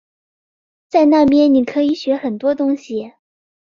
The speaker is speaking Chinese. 在那边你可以学很多东西